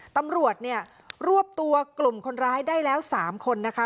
ตำรวจเนี่ยรวบตัวกลุ่มคนร้ายได้แล้ว๓คนนะคะ